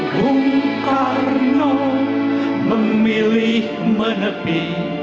bung karno memilih menepi